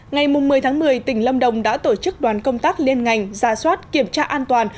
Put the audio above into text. ngày một mươi một mươi tỉnh lâm đồng đã tổ chức đoàn công tác liên ngành giả soát kiểm tra an toàn